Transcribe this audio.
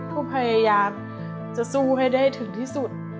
ก็พยายามจะสู้ให้ได้ถึงที่สุด